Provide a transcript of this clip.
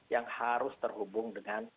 yang harus terhubung dengan